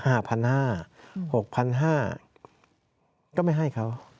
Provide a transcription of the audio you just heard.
๖๕๐๐ก็ไม่ให้เขาก็ให้เขา